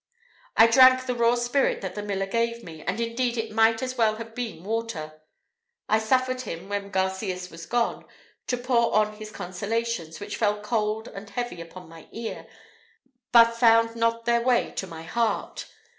I drank the raw spirit that the miller gave me; and indeed it might as well have been water. I suffered him, when Garcias was gone, to pour on his consolations, which fell cold and heavy upon my ear, but found not their way to my heart.